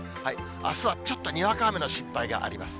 あすはちょっとにわか雨の心配があります。